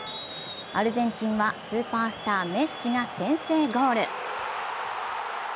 アルゼンチンはスーパースター、メッシが先制ゴール。